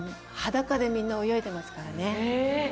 裸でみんな泳いでますからね。